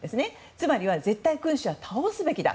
つまりは絶対君主は倒すべきだ